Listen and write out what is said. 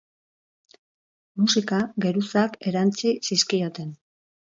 Musika geruzak erantsi zizkioten.